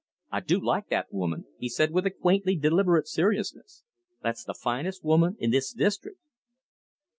"I do like that woman," said he with a quaintly deliberate seriousness. "That's the finest woman in this district."